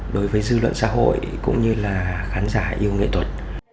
đối với dư luận xã hội cũng như là khán giả yêu nghệ thuật